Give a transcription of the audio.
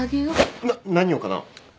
な何をかな？